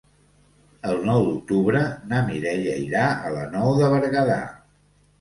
El nou d'octubre na Mireia irà a la Nou de Berguedà.